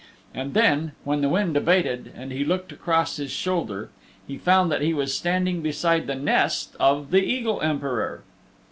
And then, when the wind abated and he looked across his shoulder, he found that he was standing beside the nest of the Eagle Emperor.